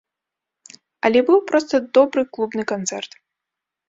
Але быў проста добры клубны канцэрт.